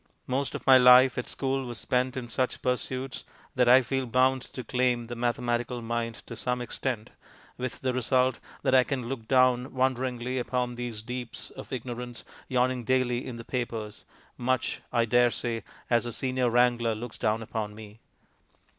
Most of my life at school was spent in such pursuits that I feel bound to claim the mathematical mind to some extent, with the result that I can look down wonderingly upon these deeps of ignorance yawning daily in the papers much, I dare say, as the senior wrangler looks down upon me.